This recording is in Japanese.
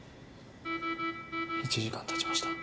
１時間たちました。